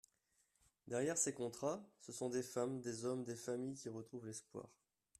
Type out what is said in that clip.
Derrière ces contrats, ce sont des femmes, des hommes, des familles qui retrouvent l’espoir.